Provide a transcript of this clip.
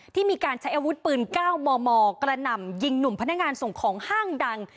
ที่มีการใช้อาวุธปืน๙มมกระหน่ำยิงหนุ่มพนักงานส่งของห้างดัง